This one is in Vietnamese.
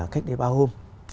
cách đi bao hôm